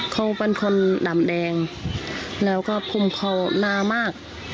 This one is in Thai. เขาเป็นคนดำแดงแล้วก็คุมเข่านามาก